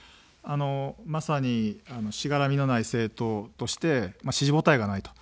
まさに、しがらみのない政党として、支持母体がないと。